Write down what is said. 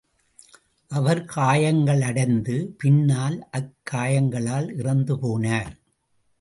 அவர் காயங்களடைந்து பின்னால் அக்காயங்களால் இறந்து போனார்.